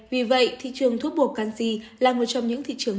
vì vậy thị trường thuốc bổ canxi là một trong những thị trường